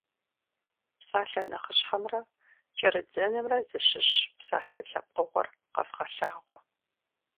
Псалъэ нэхъыщхьэмрэ кӏэрыдзэнымрэ зыщыщ псалъэ лъэпкъыгъуэр къэвгъэлъагъуэ.